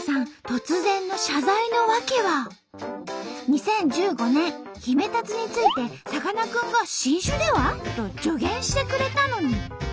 突然の謝罪の訳は２０１５年ヒメタツについてさかなクンが「新種では？」と助言してくれたのに。